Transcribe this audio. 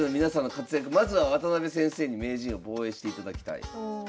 まずは渡辺先生に名人を防衛していただきたい。